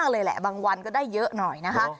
เลยแหละบางวันก็ได้เยอะหน่อยนะคะ